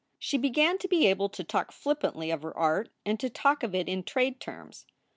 She began to be able to talk flippantly of her art and to talk of it in trade terms.